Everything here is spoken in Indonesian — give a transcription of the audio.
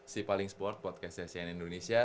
sipalingsport podcastnya cnn indonesia